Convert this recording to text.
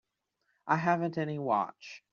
I haven't any watch.